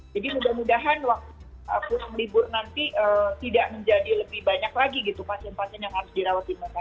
jadi mudah mudahan waktu melibur nanti tidak menjadi lebih banyak lagi pasien pasien yang harus dirawat di indonesia